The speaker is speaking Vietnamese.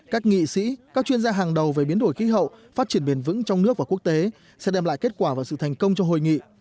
các nghị sĩ các chuyên gia hàng đầu về biến đổi khí hậu phát triển bền vững trong nước và quốc tế sẽ đem lại kết quả và sự thành công cho hội nghị